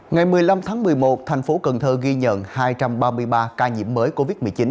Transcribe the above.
ngày một mươi năm tháng một mươi một thành phố cần thơ ghi nhận hai trăm ba mươi ba ca nhiễm mới covid một mươi chín